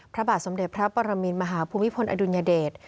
พระบาทสมเด็จพระปรมินมหาภูมิพลอดุลยเดช